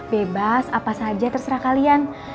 bebas apa saja terserah kalian